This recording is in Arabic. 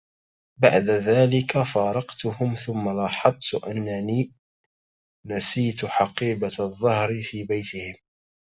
بعد ذلك، فارقتهم، ثم لاحظت أني نسيت حقيبة الظهر في بيتهم.